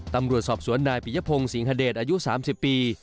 ตำรวจสอบสวนนายปิยพงศิงฮเดชอายุ๓๐ปี